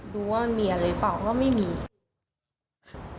ดูว่ามันมีอะไรเปล่าก็ไม่มี